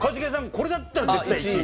これだったら絶対１位。